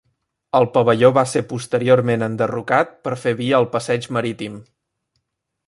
El pavelló va ser posteriorment enderrocat per fer via al passeig Marítim.